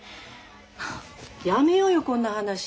やめようよこんな話。